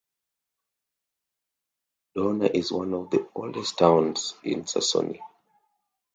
Dohna is one of the oldest towns in Saxony.